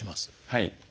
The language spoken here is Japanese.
はい。